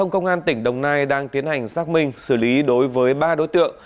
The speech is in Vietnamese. công an tỉnh đồng nai đang tiến hành xác minh xử lý đối với ba đối tượng